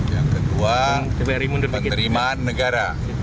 yang kedua penerimaan negara